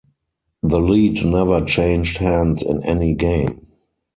The lead never changed hands in any game.